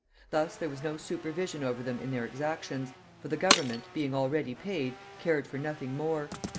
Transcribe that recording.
Thus there was no supervision over them in their exactions, for the government, being already paid, cared for nothing more.